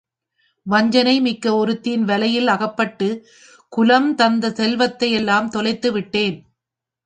வஞ்சனை மிக்க ஒருத்தியின் வலையில் அகப்பட்டுக் குலம் தந்த செல்வத்தை எல்லாம் தொலைத்து விட்டேன்.